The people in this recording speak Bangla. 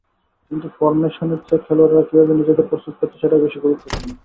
কিন্তু ফরমেশনের চেয়ে খেলোয়াড়েরা কীভাবে নিজেদের প্রস্তুত করছে, সেটাই বেশি গুরুত্বপূর্ণ।